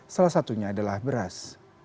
salah satunya adalah beras